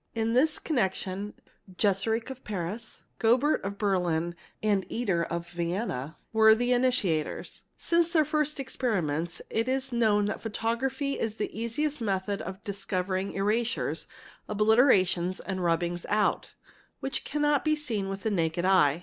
In this connection Jeserich of Paris, Gobert of Berlin, and — Eder of Vienna were the initiators; since their first experiments it 1s_ known that photography is the easiest method of discovering erasures, | obliterations, and rubbings out, which cannot be seen with the naked eye.